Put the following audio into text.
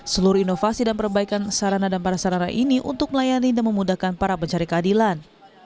seluruh inovasi dan perbaikan sarana dan prasarana ini untuk melayani dan memudahkan para pencari keadilan